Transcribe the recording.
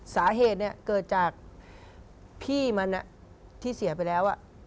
สาเหตุเกิดจากพี่มันที่เสียไปแล้ว